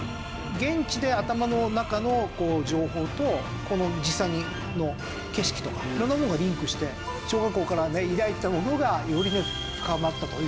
現地で頭の中の情報と実際の景色とか色々なものがリンクして小学校からね抱いてたものがより深まったというふうに。